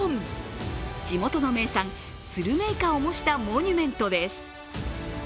地元の名産・スルメイカを模したモニュメントです。